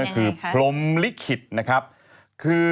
เป็นอย่างไรคะ